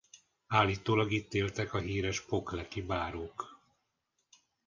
Állítólag itt éltek a híres pokleki bárók.